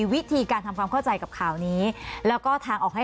สงสารด้วยเพราะว่าหนูก็ร้องให้